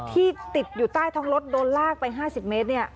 ที่ติดอยู่ใต้ท้องรถโดนลากไป๕๐เมตร